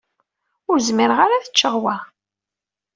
Ur zmireɣ ara ad ččeɣ wa.